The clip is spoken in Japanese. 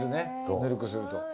ぬるくすると。